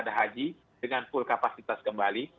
ada haji dengan full kapasitas kembali